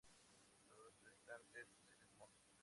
Los restantes fusiles Mod.